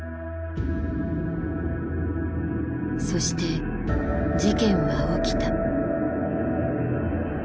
そして事件は起きた。